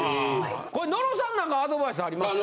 これ野呂さん何かアドバイスありますか？